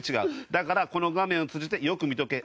だからこの画面を通じてよく見とけ。